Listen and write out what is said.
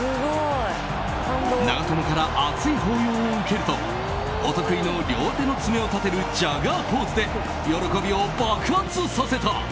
長友から熱い抱擁を受けるとお得意の両手の爪を立てるジャガーポーズで喜びを爆発させた。